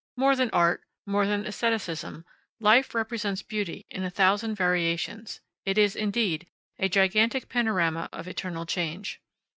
More than art, more than estheticism, life represents beauty in a thousand variations; it is, indeed, a gigantic panorama of eternal change.